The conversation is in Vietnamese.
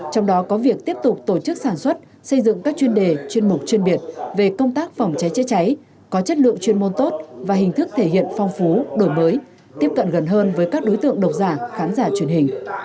trong đó có việc tiếp tục tổ chức sản xuất xây dựng các chuyên đề chuyên mục chuyên biệt về công tác phòng cháy chữa cháy có chất lượng chuyên môn tốt và hình thức thể hiện phong phú đổi mới tiếp cận gần hơn với các đối tượng độc giả khán giả truyền hình